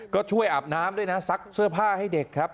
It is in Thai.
ก็ช่วยอาบน้ำด้วยนะซักเสื้อผ้าให้เด็กครับ